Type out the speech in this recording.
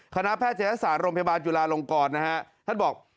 คณะแพทย์ธิระสาธิ์โรงพยาบาลจุลารองกรธ่านบอก